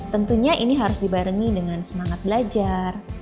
tentunya ini harus dibarengi dengan semangat belajar